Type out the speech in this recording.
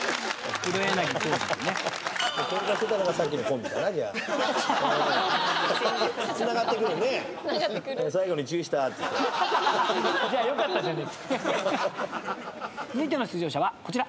続いての出場者はこちら。